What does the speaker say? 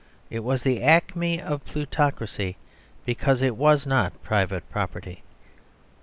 It was the acme of plutocracy because it was not private property.